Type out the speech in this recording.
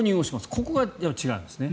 ここが違うんですね。